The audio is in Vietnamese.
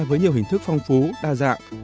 với nhiều hình thức phong phú đa dạng